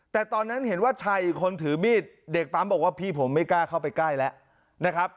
แต่ตอนนั้นเห็นว่าชายอีกคนถือมีดเด็กปั๊มบอกว่าพี่ผมไม่กล้าเข้าไปใกล้แล้วนะครับ